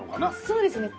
そうですね。